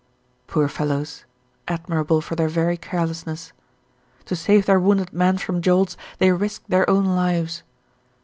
Poor fellows, admirable for their very carelessness. To save their wounded man from jolts they risked their own lives.